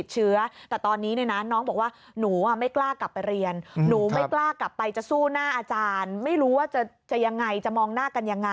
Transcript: แต่ตอนนี้เนี่ยนะน้องบอกว่าหนูไม่กล้ากลับไปเรียนหนูไม่กล้ากลับไปจะสู้หน้าอาจารย์ไม่รู้ว่าจะยังไงจะมองหน้ากันยังไง